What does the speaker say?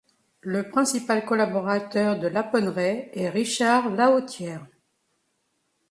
Le principal collaborateur de Laponneraye est Richard Lahautière.